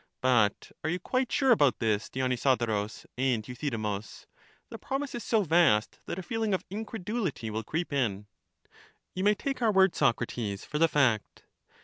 But are you quite sure about this, Dionysodorus and Euthydemus : the prom ise is so vast, that a feeling of incredulity will creep in. You may take our word, Socrates, for the fact.